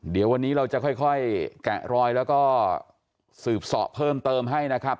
เดี๋ยววันนี้เราจะค่อยแกะรอยแล้วก็สืบสอบเพิ่มเติมให้นะครับ